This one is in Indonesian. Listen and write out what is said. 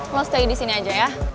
mau stay di sini aja ya